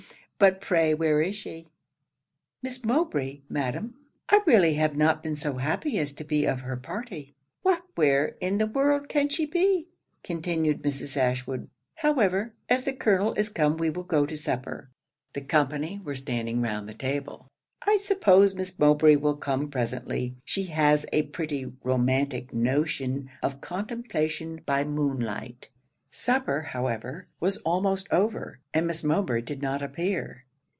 But pray where is she?' 'Miss Mowbray, Madam! I really have not been so happy as to be of her party.' 'Why, where in the world can she be?' continued Mrs. Ashwood. 'However, as the colonel is come we will go to supper. [The company were standing round the table.] I suppose Miss Mowbray will come presently; she has a pretty romantic notion of contemplation by moonlight.' Supper, however, was almost over, and Miss Mowbray did not appear.